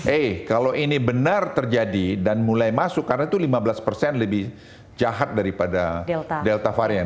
eh kalau ini benar terjadi dan mulai masuk karena itu lima belas lebih jahat daripada delta varian